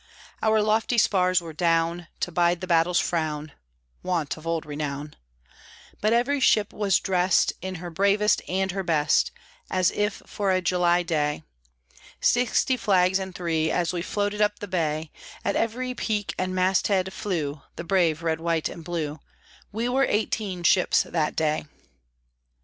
Our lofty spars were down, To bide the battle's frown (Wont of old renown) But every ship was drest In her bravest and her best, As if for a July day; Sixty flags and three, As we floated up the bay At every peak and mast head flew The brave Red, White, and Blue, We were eighteen ships that day.